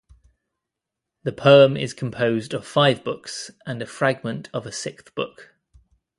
The poem is composed of five books and a fragment of a sixth book.